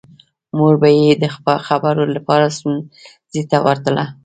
مور به یې د خبرو لپاره ښوونځي ته ورتله